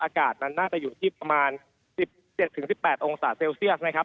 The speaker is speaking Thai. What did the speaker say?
อากาศนั้นน่าจะอยู่ที่ประมาณ๑๗๑๘องศาเซลเซียสนะครับ